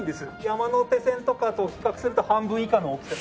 山手線とかと比較すると半分以下の大きさ。